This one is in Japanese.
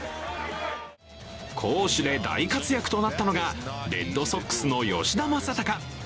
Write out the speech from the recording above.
攻守で大活躍となったのが、レッドソックスの吉田正尚。